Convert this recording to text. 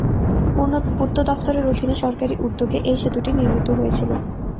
পূর্ত দফতরের অধীনে সরকারি উদ্যোগে এই সেতুটি নির্মিত হয়েছিল।